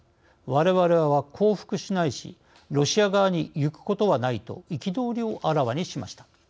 われわれは降伏しないしロシア側に行くことはないと憤りをあらわにしました。